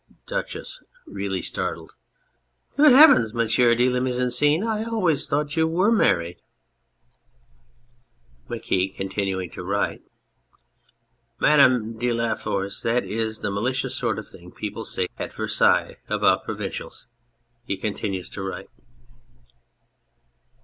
DUCHESS (really startled]. Good heavens, Monsieui de la Mise en Scene ! I always thought you were married ! MARQUIS (continuing to write). Madame de la Tour de Force., that is the malicious sort of thing people say at Versailles about provincials. (He continues to write.